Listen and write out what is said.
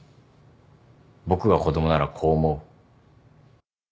僕が子供ならこう思う。